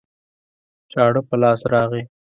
چاړه په لاس راغی